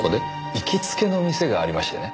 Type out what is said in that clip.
行きつけの店がありましてね。